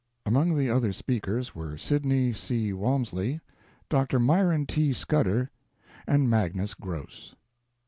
Among the other speakers were Sydney C. Walmsley, Dr. Myron T. Scudder, and Magnus Gross.